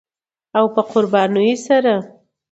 او په قربانیو سره